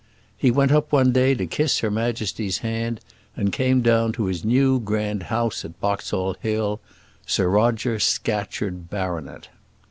He went up one day to kiss Her Majesty's hand, and come down to his new grand house at Boxall Hill, Sir Roger Scatcherd, Bart.